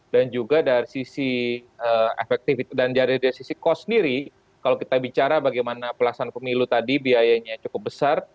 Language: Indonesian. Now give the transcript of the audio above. dan juga dari sisi efektif dan dari sisi kos sendiri kalau kita bicara bagaimana pelaksanaan pemilu tadi biayanya cukup besar